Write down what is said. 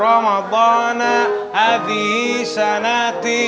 ramadanah azihi sanati